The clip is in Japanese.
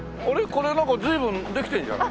これなんか随分できてるじゃない。